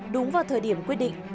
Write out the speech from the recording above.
đúng vào thời điểm quyết định